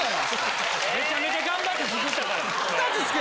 めちゃめちゃ頑張って作ったからそれ。